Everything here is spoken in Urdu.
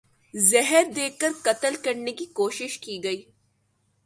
زہر دے کر قتل کرنے کی کوشش کی گئی